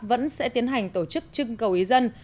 vẫn sẽ tiến hành tổ chức trưng cầu ý dân